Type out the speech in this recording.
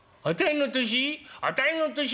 「あたいの年？